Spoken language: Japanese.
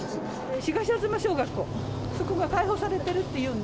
東吾嬬小学校、そこが開放されているっていうんで。